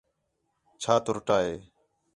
چھا ترُٹّا ہے